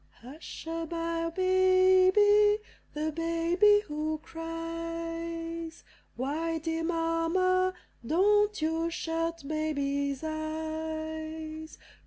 Hush a by, Baby! the baby who cries. Why, dear Mamma, don't you shut baby's eyes?